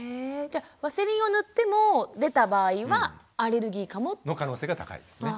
じゃワセリンを塗っても出た場合はアレルギーかも？の可能性が高いですね。